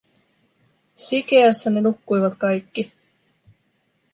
Sikeässä ne nukkuivat kaikki.